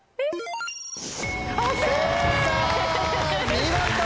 見事！